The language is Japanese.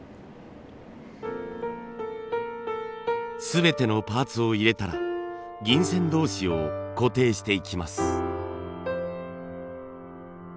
全てのパーツを入れたら銀線同士を固定していきます。